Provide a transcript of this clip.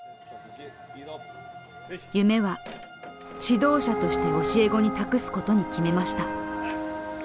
夢は指導者として教え子に託すことに決めました。